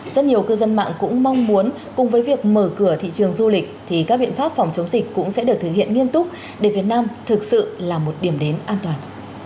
rất nhiều cư dân mạng cũng mong muốn cùng với việc mở cửa thị trường du lịch thì các biện pháp phòng chống dịch cũng sẽ được thực hiện nghiêm túc để việt nam thực sự là một điểm đến an toàn